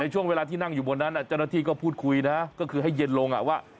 ช่วงเวลาที่นั่งอยู่บนนั้นเจ้าหน้าที่ก็พูดคุยนะก็คือให้เย็นลงว่า